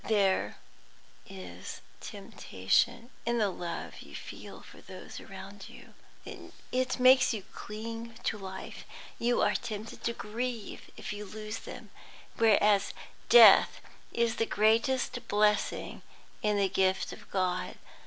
There is temptation in the love you feel for those around you; it makes you cling to life; you are tempted to grieve if you lose them, whereas death is the greatest blessing in the gift of God.